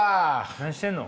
何してんの？